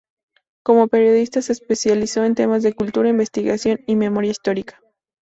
Como periodista se especializó en temas de cultura, investigación y memoria histórica.